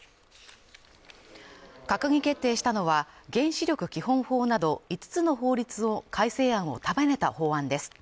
閣議決定したのは、原子力基本法など五つの法律の改正案を束ねた法案です。